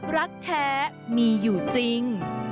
รักแท้มีอยู่จริง